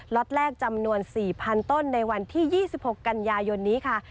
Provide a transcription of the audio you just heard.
็ตแรกจำนวน๔๐๐๐ต้นในวันที่๒๖กันยายนนี้ค่ะ